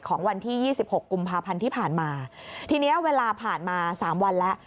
ของวันที่๒๖กุมภาพันธ์ที่ผ่านมาทีนี้เวลาผ่านมา๓วันแล้ว